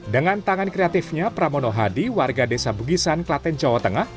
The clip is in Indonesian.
dengan tangan kreatifnya pramono hadi warga desa bugisan klaten jawa tengah